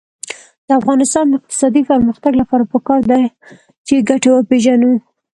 د افغانستان د اقتصادي پرمختګ لپاره پکار ده چې ګټې وپېژنو.